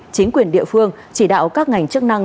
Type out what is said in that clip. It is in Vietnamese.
chính quyền địa phương chỉ đạo các ngành chức năng